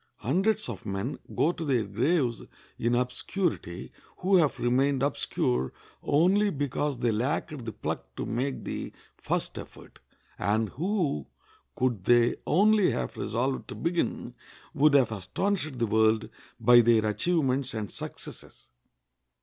Hundreds of men go to their graves in obscurity who have remained obscure only because they lacked the pluck to make the first effort, and who, could they only have resolved to begin, would have astonished the world by their achievements and successes.